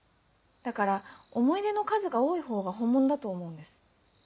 だから思い出の数が多いほうが本物だと思うんです。